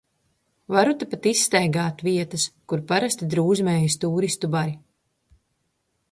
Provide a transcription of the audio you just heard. Varu tepat izstaigāt vietas, kur parasti drūzmējās tūristu bari.